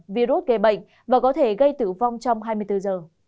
virus gây bệnh và có thể gây tử vong trong hai mươi bốn giờ